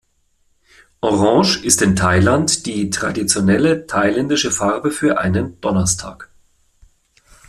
Orange ist in Thailand die traditionelle thailändische Farbe für einen Donnerstag.